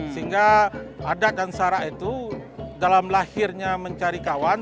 sehingga adat dan sara itu dalam lahirnya mencari kawan